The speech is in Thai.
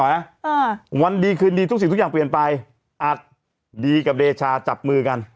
อ่าวันดีคืนดีทุกสิ่งทุกอย่างเปลี่ยนไปอัดดีกับเดชาจับมือกัน